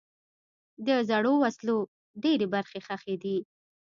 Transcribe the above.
د زړو وسلو ډېری برخې ښخي دي.